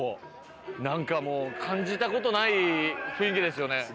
何かもう感じたことない雰囲気ですよね。